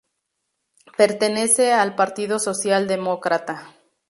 Pertenece al Partido Social Demócrata.